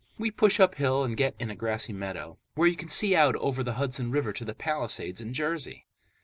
We push uphill and get in a grassy meadow, where you can see out over the Hudson River to the Palisades in Jersey.